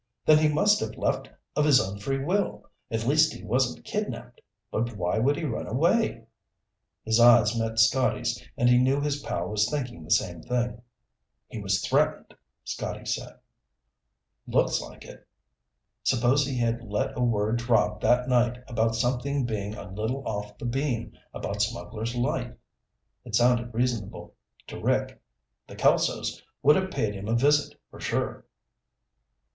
Then he must have left of his own free will. At least he wasn't kidnapped. But why would he run away?" His eyes met Scotty's and he knew his pal was thinking the same thing. "He was threatened," Scotty said. "Looks like it. Suppose he had let a word drop that night about something being a little off the beam about Smugglers' Light?" It sounded reasonable to Rick. "The Kelsos would have paid him a visit for sure."